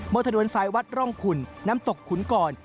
เมอร์ทะดวนสายวัชติรองคุณนั้นตกขุนกร